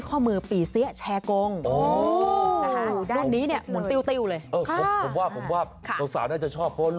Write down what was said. ข้อมือปีเซียแชร์กงอ๋อด้านนี้เนี่ยหมุนติวติวเลยเออผมว่าผมว่าสาวสาวน่าจะชอบ